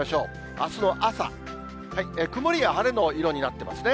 あすの朝、曇りが晴れの色になってますね。